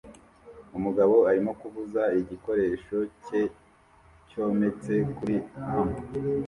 Umugabo arimo kuvuza igikoresho cye cyometse kuri amp